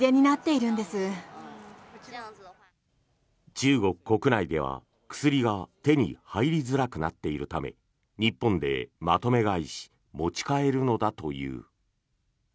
中国国内では薬が手に入りづらくなっているため日本でまとめ買いし持ち帰るのだという。